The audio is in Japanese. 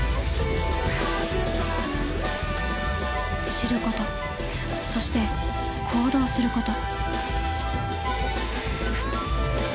知ることそして行動すること。